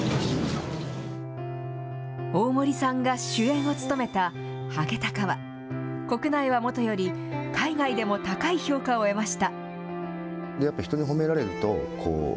大森さんが主演を務めたハゲタカは、国内はもとより海外でも高い評価を得ました。